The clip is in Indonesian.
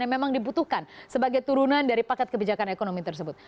yang memang dibutuhkan sebagai turunan dari paket kebijakan ekonomi tersebut